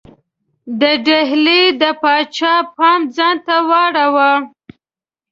د ډهلي د پاچا پام ځانته واړاوه.